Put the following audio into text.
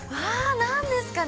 ◆何ですかね。